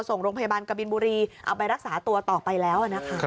ส่งโรงพยาบาลกบินบุรีเอาไปรักษาตัวต่อไปแล้วนะคะ